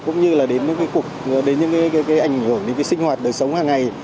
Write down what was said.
cũng như là đến những cái ảnh hưởng đến cái sinh hoạt đời sống hàng ngày